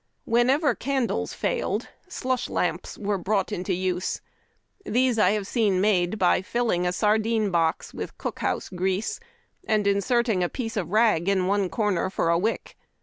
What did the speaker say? Whenever candles failed, slush lamps were brought into use. Tliese I liave seen made by filling a sardine box with cook house grease, and inserting a piece of rag in one corner for a wick.